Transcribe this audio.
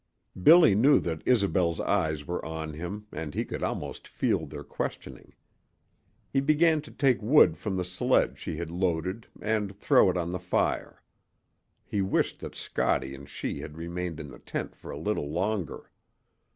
Billy knew that Isobel's eyes were on him, and he could almost feel their questioning. He began to take wood from the sledge she had loaded and throw it on the fire. He wished that Scottie and she had remained in the tent for a little longer.